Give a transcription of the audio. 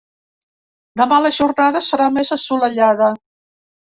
Demà la jornada serà més assolellada.